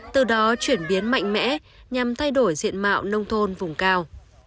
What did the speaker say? từ đó chuyển biến mạnh mẽ nhằm thay đổi diện mạo nông thôn vùng cao